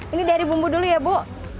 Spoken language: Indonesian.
ini dari bumbu dulu ya bu